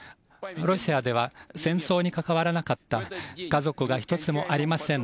ロシアでは戦争に関わらなかった家族が１つもありません。